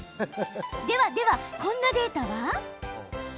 では、こんなデータは。